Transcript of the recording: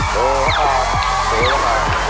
ดูก่อน